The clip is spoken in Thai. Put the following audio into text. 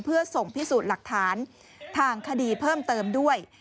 เพื่อส่งพิสูจน์หลักฐานทางคดีเพิ่มเติมด้วย